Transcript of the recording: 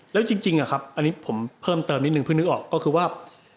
แล้วจริงอะครับอันนี้ผมเพิ่มเติมนิดนึงเพิ่งนึกออกก็คือว่า